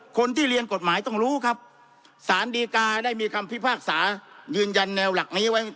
คนที่เรียนกฎหมายต้องรู้ครับสารดีกาได้มีคำพิพากษายืนยันแนวหลักนี้ไว้